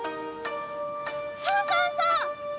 そうそうそう！